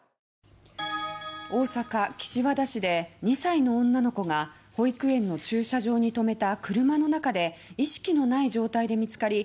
大阪・岸和田市で２歳の女の子が保育園の駐車場に止めた車の中で意識のない状態で見つかり